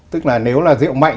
tức là nếu là rượu mạnh